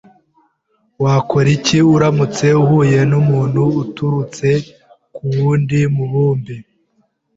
Wakora iki uramutse uhuye numuntu uturutse kuwundi mubumbe?